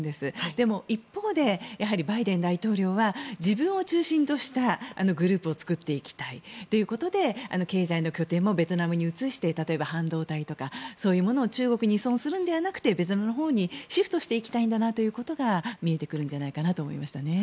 でも、一方でバイデン大統領は自分を中心としたグループを作っておきたいということで経済の拠点のベトナムに移して例えば半導体とかそういうものを中国に依存するのではなくてベトナムのほうにシフトしていきたいんだなということが見えてくるんじゃないかなと思いましたね。